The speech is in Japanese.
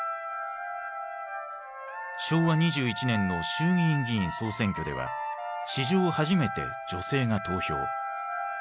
昭和２１年の衆議院議員総選挙では史上初めて女性が投票。